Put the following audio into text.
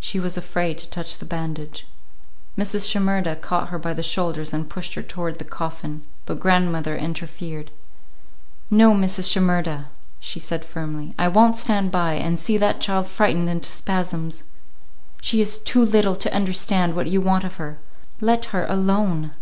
She was afraid to touch the bandage. Mrs. Shimerda caught her by the shoulders and pushed her toward the coffin, but grandmother interfered. "No, Mrs. Shimerda," she said firmly, "I won't stand by and see that child frightened into spasms. She is too little to understand what you want of her. Let her alone."